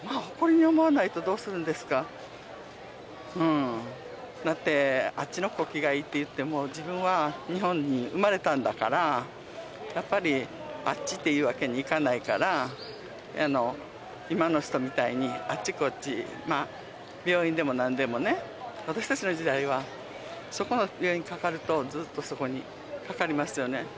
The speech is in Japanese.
誇りに思わないとどうするんですかうんだってあっちの国旗がいいって言っても自分は日本に生まれたんだからやっぱり「あっち」っていうわけにいかないから今の人みたいにあっちこっちまあ病院でも何でもね私達の時代はそこの病院かかるとずっとそこにかかりますよね